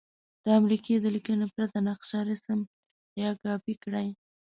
د امریکا د لیکنې پرته نقشه رسم یا کاپې کړئ.